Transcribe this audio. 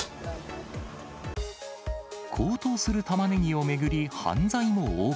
高騰するタマネギを巡り犯罪も横行。